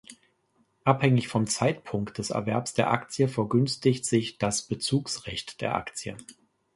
Abhängig vom Zeitpunkt des Erwerbs der Aktie vergünstigt sich das Bezugsrecht der Aktie.